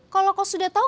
kalau kau sudah tau